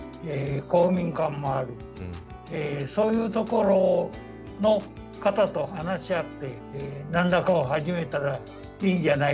そういうところの方と話し合って何らかを始めたらいいんじゃないかなと思います。